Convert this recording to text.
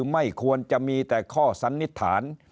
ไม่ควรจะมีแต่ข้อสันนิษฐาน